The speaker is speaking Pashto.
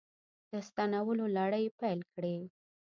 د ستنولو لړۍ پیل کړې